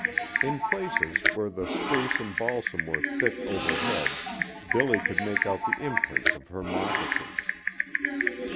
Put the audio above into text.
In places where the spruce and balsam were thick overhead Billy could make out the imprints of her moccasins.